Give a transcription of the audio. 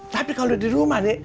tapi kalau di rumah nih